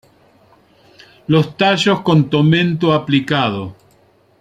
Los tallos con tomento aplicado.